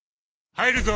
入るぞ。